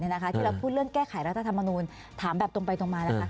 ที่เราพูดเรื่องแก้ไขรัฐธรรมนูลถามแบบตรงไปตรงมานะคะ